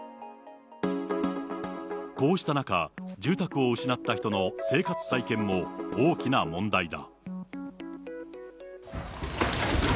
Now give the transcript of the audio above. こうした中、住宅を失った人の生活再建も大きな問題だ。